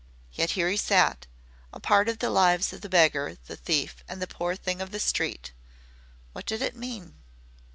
Yet here he sat a part of the lives of the beggar, the thief, and the poor thing of the street. What did it mean?